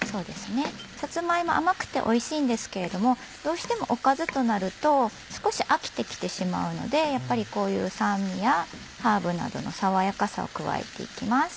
さつま芋甘くておいしいんですけれどもどうしてもおかずとなると少し飽きてきてしまうのでやっぱりこういう酸味やハーブなどの爽やかさを加えていきます。